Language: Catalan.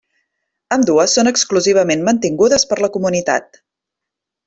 Ambdues són exclusivament mantingudes per la comunitat.